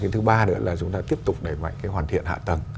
thứ ba nữa là chúng ta tiếp tục đẩy mạnh cái hoàn thiện hạ tầng